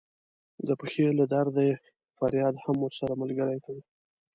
د پښې له درده یې فریاد هم ورسره ملګری کړ.